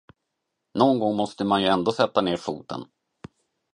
Någon gång måste man ändå sätta ner foten.